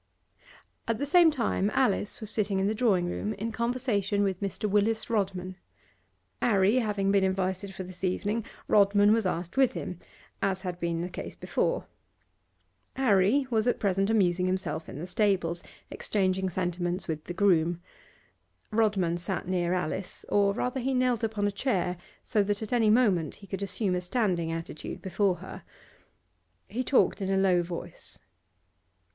At the same time Alice was sitting in the drawing room, in conversation with Mr. Willis Rodman. 'Arry having been invited for this evening, Rodman was asked with him, as had been the case before. 'Arry was at present amusing himself in the stables, exchanging sentiments with the groom. Rodman sat near Alice, or rather he knelt upon a chair, so that at any moment he could assume a standing attitude before her. He talked in a low voice.